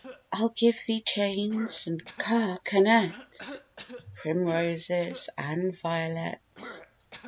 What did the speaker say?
I'll give thee chains and carcanets Of primroses and violets.